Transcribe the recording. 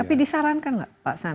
tapi disarankan nggak pak sandi